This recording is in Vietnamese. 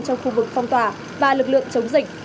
trong khu vực phong tỏa và lực lượng chống dịch